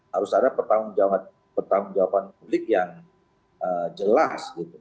harus ada pertanggung jawaban publik yang jelas